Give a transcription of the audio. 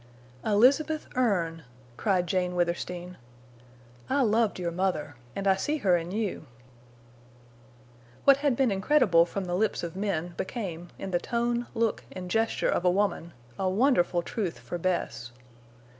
"Elizabeth Erne!" cried Jane Withersteen. "I loved your mother and I see her in you!" What had been incredible from the lips of men became, in the tone, look, and gesture of a woman, a wonderful truth for Bess.